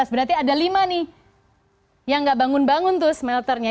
berarti ada lima nih yang gak bangun bangun tuh smelternya